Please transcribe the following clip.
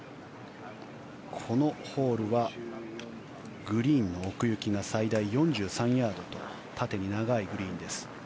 このホールはグリーンの奥行きが最大４３ヤードと縦に長いグリーンです。